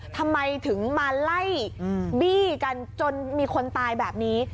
ทำไมถึงมาไล่บี้กันจนมีคนตายแบบนี้